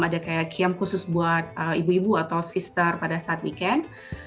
ada kayak kiam khusus buat ibu ibu atau sister pada saat weekend